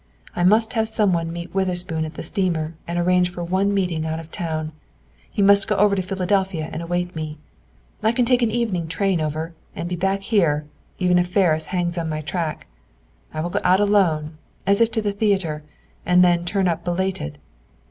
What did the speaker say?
I must have some one meet Witherspoon at the steamer and arrange for one meeting out of town. He must go over to Philadelphia and await me. I can take an evening train over, and be back here, even if Ferris hangs on my track. I will go out alone, as if to the theater, and then turn up belated.